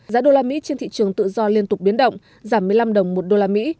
giá đô la mỹ trên thị trường tự do liên tục biến động giảm một mươi năm đồng một đô la mỹ